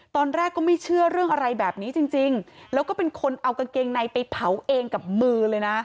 ตอนแรกก็ไม่เชื่อเรื่องอะไรแบบนี้จริงแล้วก็เป็นคนเอากางเกงในไปเผาเองกับมือเลยนะ